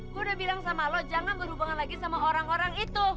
gue udah bilang sama lo jangan berhubungan lagi sama orang orang itu